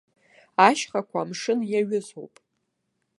Ашьхақәа амшын иаҩызоуп.